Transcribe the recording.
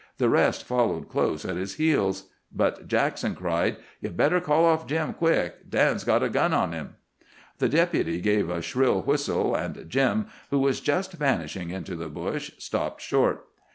The rest followed close on his heels. But Jackson cried: "Ye'd better call off Jim quick. Dan's got a gun on him." The Deputy gave a shrill whistle, and Jim, who was just vanishing into the bush, stopped short.